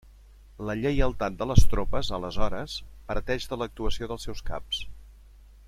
La lleialtat de les tropes, aleshores, parteix de l'actuació dels seus caps.